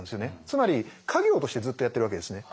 つまり家業としてずっとやってるわけですね。